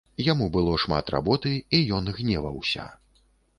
Яму было шмат работы, і ён гневаўся.